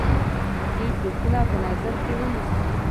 دوه ګروپونه په نظر کې ونیسئ.